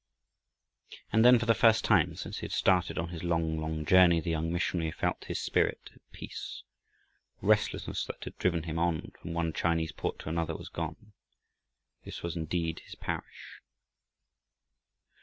And then for the first time since he had started on his long, long journey, the young missionary felt his spirit at peace. The restlessness that had driven him on from one Chinese port to another was gone. This was indeed his parish.